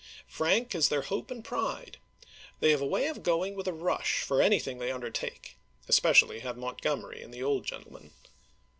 Frank is their hope FREMONT 415 and pride. They have a way of going with a rush for ch. xxiii. anything they undertake; especially have Montgomery and the old gentleman.